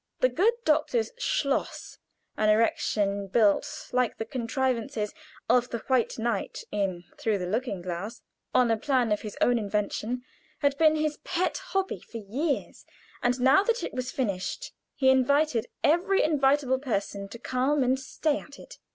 The good doctor's schloss, an erection built like the contrivances of the White Knight in "Through the Looking glass," on "a plan of his own invention," had been his pet hobby for years, and now that it was finished, he invited every invitable person to come and stay at it.